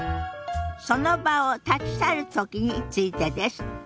その場を立ち去るときについてです。